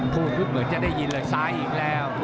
พูดปุ๊บเหมือนจะได้ยินเลยซ้ายอีกแล้ว